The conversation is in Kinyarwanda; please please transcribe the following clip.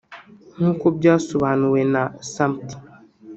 nk’uko byasobanuwe na Supt